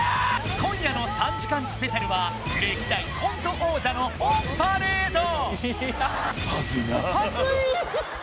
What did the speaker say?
今夜の３時間スペシャルは歴代コント王者のオンパレード恥ずいなあ恥ずい！